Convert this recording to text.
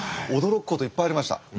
驚くこといっぱいありました。